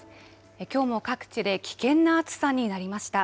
きょうも各地で危険な暑さになりました。